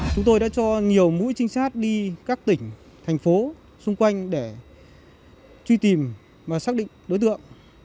chúng tôi đã cho nhiều mũi trinh sát đi các tỉnh thành phố xung quanh để truy tìm và xác định đối tượng